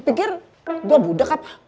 lu pikir gua budak apa